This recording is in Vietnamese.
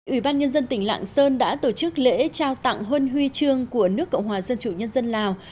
ủy ban nhân dân tỉnh lạng sơn đã tổ chức lễ trao tặng huân huy trương của nước cộng hòa dân chủ nhân dân lào